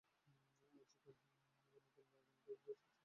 আজিকাল যেখানে নতুন গা-খানা বসেচে-ওই বরাবাব এসে হল কি জানো?